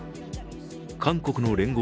韓国の聯合